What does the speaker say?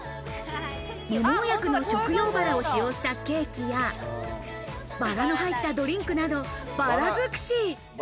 無農薬の食用バラを使用したケーキや、バラの入ったドリンクなど、バラづくし。